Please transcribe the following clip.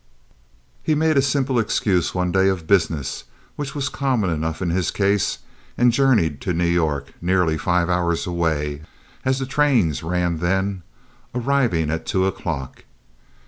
He made the simple excuse one day of business, which was common enough in his case, and journeyed to New York—nearly five hours away as the trains ran then—arriving at two o'clock.